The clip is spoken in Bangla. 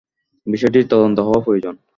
বিষয়টির তদন্ত হওয়া প্রয়োজন।